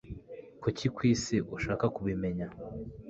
Kuki kwisi ushaka kubimenya?